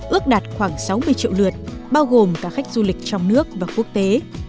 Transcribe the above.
ước đạt khoảng sáu mươi triệu lượt bao gồm cả khách du lịch trong nước và quốc tế